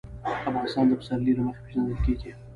افغانستان د پسرلی له مخې پېژندل کېږي.